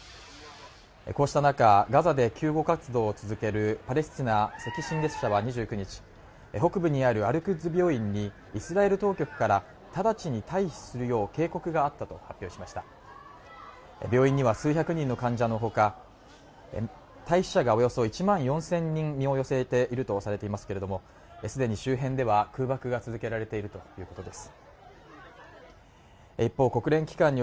こうした中ガザで救護活動を続けるパレスチナ赤新月社は２９日北部にアルグッズ病院にイスラエル当局からただちに退避するよう警告があったと発表しました病院には数百人の患者のほか退避者がおよそ１万４０００人が身を寄せているとされていますけれどもすでに周辺では空爆が続けられているということです